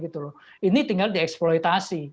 ini tinggal dieksploitasi